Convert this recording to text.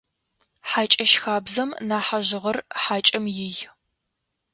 Хьакӏэщ хабзэм нахьыжъыгъэр хьакӏэм ий.